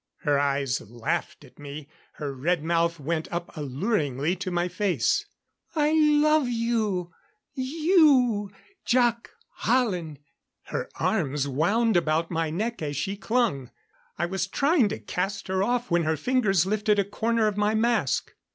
Her eyes laughed at me; her red mouth went up alluringly to my face. "I love you you, Jac Hallen." Her arms wound about my neck as she clung. I was trying to cast her off when her fingers lifted a corner of my mask.